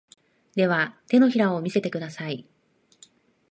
では、手のひらを見せてください。